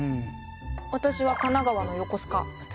私は神奈川の横須賀。